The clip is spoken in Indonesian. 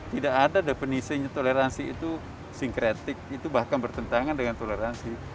tidak ada definisinya toleransi itu sinkretik itu bahkan bertentangan dengan toleransi